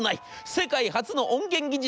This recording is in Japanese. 世界初の音源技術